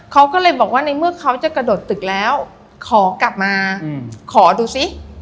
เขาก็เลยบอกว่าในเมื่อเขาจะกระโดดตึกแล้วขอกลับมาขอดูซิ